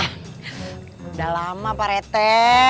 udah lama pak rete